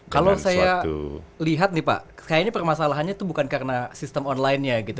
kalau saya lihat nih pak kayaknya permasalahannya itu bukan karena sistem online nya gitu